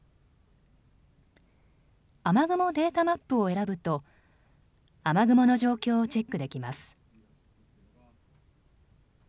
雨雲データマップを選ぶと雨雲の状況をチェックできます。